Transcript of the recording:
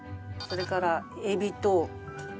それからエビと。